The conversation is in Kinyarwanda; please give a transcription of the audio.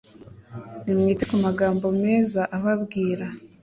Nimwite ku magambo meza ababwira